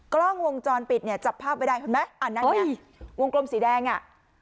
กล้องวงจรปิดจับภาพไว้ได้เห็นไหมโว้ยกลมสีแดงอ่ะ